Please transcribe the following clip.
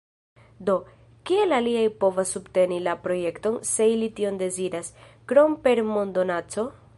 Do, kiel aliaj povas subteni la projekton, se ili tion deziras, krom per mondonaco?